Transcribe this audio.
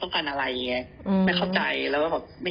ก็พิศาตินี่วะแล้วยังไง